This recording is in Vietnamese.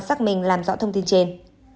xác minh làm rõ thông tin trên